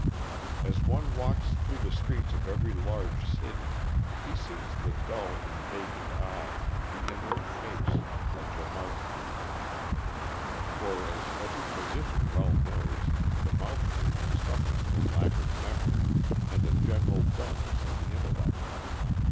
As one walks through the streets of every large city, he sees the dull and vacant eye, the inert face, of the mouth breather; for, as every physician well knows, the mouth breather suffers from lack of memory and a general dullness of the intellect.